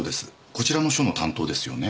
こちらの署の担当ですよね？